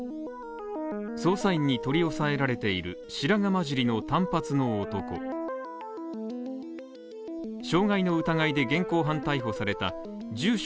捜査員に取り押さえられている白髪交じりの短髪の男傷害の疑いで現行犯逮捕された住所